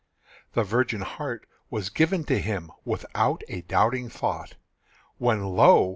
The virgin heart was given to him Without a doubting thought, When, lo!